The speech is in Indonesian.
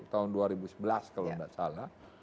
tahun dua ribu sebelas kalau tidak salah